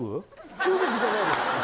中国じゃないです